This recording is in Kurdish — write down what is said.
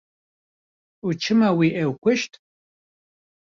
Û çima wî ew kuşt?